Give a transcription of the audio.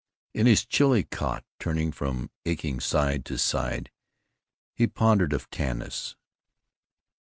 In his chilly cot, turning from aching side to side, he pondered of Tanis.